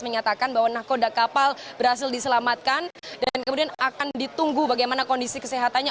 menyatakan bahwa nakoda kapal berhasil diselamatkan dan kemudian akan ditunggu bagaimana kondisi kesehatannya